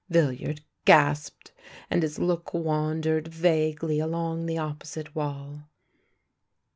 " Villiard gasped, and his look wandered vaguely along the opposite wall.